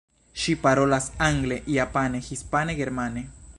Ŝi parolas angle, japane, hispane, germane.